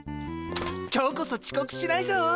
今日こそちこくしないぞ。